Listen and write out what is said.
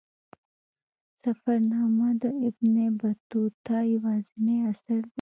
سفرنامه د ابن بطوطه یوازینی اثر دی.